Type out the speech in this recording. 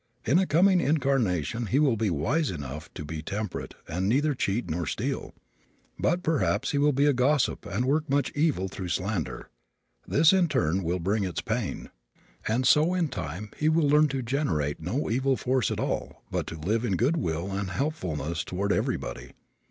In a coming incarnation he will be wise enough to be temperate and neither cheat nor steal; but perhaps he will be a gossip and work much evil through slander. This in turn will bring its pain. And so in time he will learn to generate no evil force at all but to live in good will and helpfulness toward everybody.